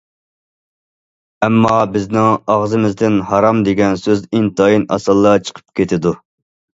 ئەمما بىزنىڭ ئاغزىمىزدىن« ھارام» دېگەن سۆز ئىنتايىن ئاسانلا چىقىپ كېتىدۇ.